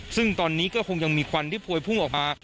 ซึ่งตอนนี้ก็คงยังมีควันที่พวยพุ่งออกมา